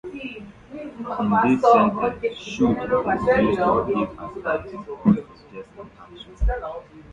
In these sentences, "should" is used to give advice or suggest an action.